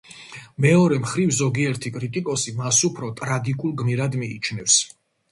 მეორე მხრივ, ზოგიერთი კრიტიკოსი მას უფრო ტრაგიკულ გმირად მიიჩნევს.